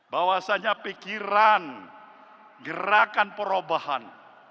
bahwasannya pikiran gerakan perubahan